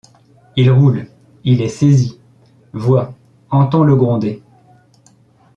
Il roule. Il est saisi ! Vois, entends-le gronder.